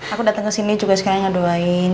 aku datang kesini juga sekarang ngedoain